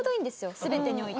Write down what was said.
全てにおいて。